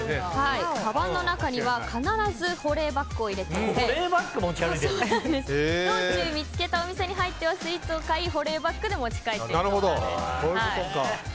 かばんの中には必ず保冷バッグを入れて道中見つけたお店に入ってはスイーツを買い、保冷バッグで持ち帰っているそうです。